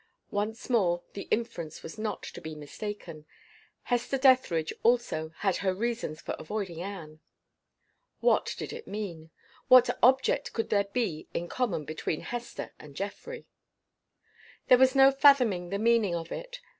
Once more the inference was not to be mistaken. Hester Dethridge, also, had her reasons for avoiding Anne. What did it mean? What object could there be in common between Hester and Geoffrey? There was no fathoming the meaning of it.